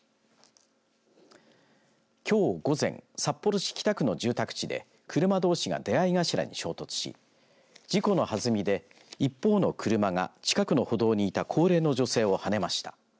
きょう午前札幌市北区の住宅地で車どうしが出会い頭に衝突し事故のはずみで一方の車が近くの歩道にいた高齢の女性をはねました。